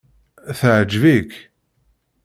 Teɛjeb-ik?